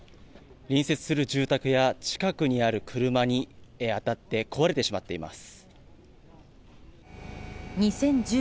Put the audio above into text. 隣接する住宅や近くにある車に当たって壊れてしまっています。